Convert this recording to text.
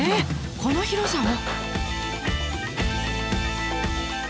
この広さを？